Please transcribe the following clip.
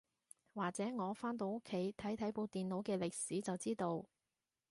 或者我返到屋企睇睇部電腦嘅歷史就知道